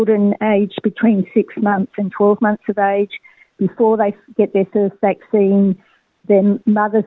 dan kebanyakan ada kondisi yang sangat teruk